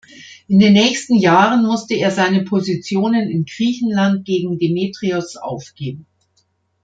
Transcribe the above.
In den nächsten Jahren musste er seine Positionen in Griechenland gegen Demetrios aufgeben.